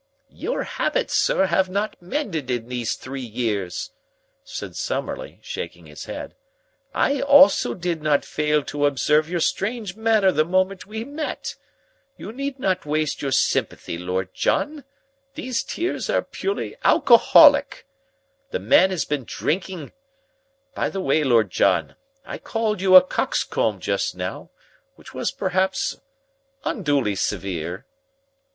"Your habits, sir, have not mended in these three years," said Summerlee, shaking his head. "I also did not fail to observe your strange manner the moment we met. You need not waste your sympathy, Lord John. These tears are purely alcoholic. The man has been drinking. By the way, Lord John, I called you a coxcomb just now, which was perhaps unduly severe.